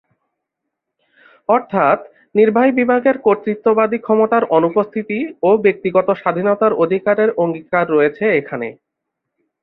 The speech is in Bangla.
অর্থাৎ নির্বাহি বিভাগের কর্তৃত্ববাদী ক্ষমতার অনুপস্থিতি ও ব্যক্তিগত স্বাধীনতার অধিকারের অঙ্গীকার রয়েছে এখানে।